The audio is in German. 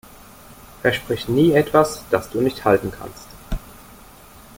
Versprich nie etwas, das du nicht halten kannst.